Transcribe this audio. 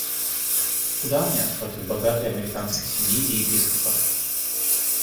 Куда мне против богатой американской семьи и епископа.